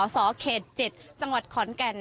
สเขต๗จังหวัดขอนแก่น